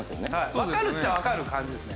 わかるっちゃわかる感じですね。